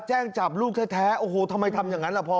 แจ้งจับลูกแท้โอ้โหทำไมทำอย่างนั้นล่ะพ่อ